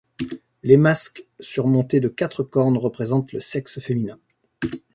Les masques surmontées de quatre cornes représentent le sexe féminin.